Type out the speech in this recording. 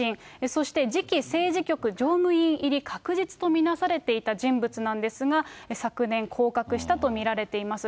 そして、次期政治局常務委員入り確実とみなされていた人物なんですが、昨年、降格したと見られています。